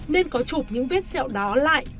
nên có chụp những vết sẹo đó là bất thường